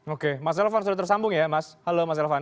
oke mas elvan sudah tersambung ya mas halo mas elvan